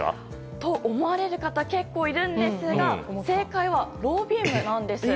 と思われる方結構いるんですが正解はロービームなんです。